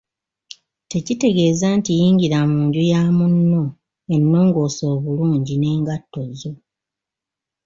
Tekitegeeza nti yingira mu nju ya munno ennongoose obulungi n’engatto zo.